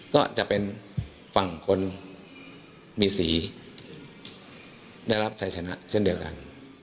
ก็จะเป็นฝั่งคนมีสีได้รับชัยชนะเช่นเดียวกัน